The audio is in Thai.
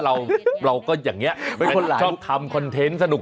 ว่าเราก็อย่างนี้ชอบทำคอนเทนต์สนุก